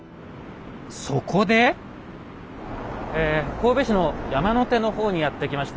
神戸市の山の手の方にやって来ました。